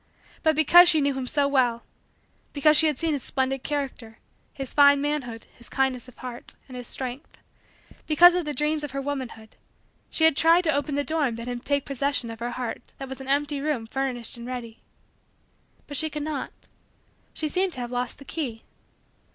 But because she knew him so well; because she had seen his splendid character, his fine manhood, his kindness of heart, and his strength; because of the dreams of her womanhood; she had tried to open the door and bid him take possession of her heart that was as an empty room furnished and ready. But she could not. She seemed to have lost the key.